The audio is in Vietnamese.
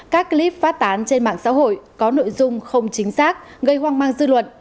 các clip phát tán trên mạng xã hội có nội dung không chính xác gây hoang mang dư luận